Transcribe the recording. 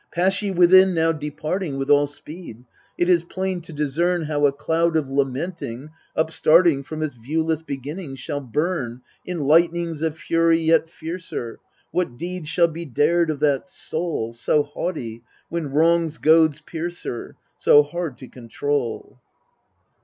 Pass ye within now, departing With all speed. It is plain to discern How a cloud of lamenting, upstarting From its viewless beginnings, shall burn In lightnings of fury yet fiercer. What deeds shall be dared of that soul, So haughty, when wrong's goads pierce her, So hard to control